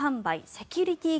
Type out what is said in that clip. セキュリティー